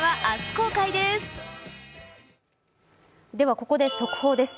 ここで速報です。